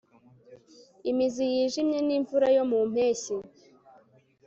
Imizi yijimye nimvura yo mu mpeshyi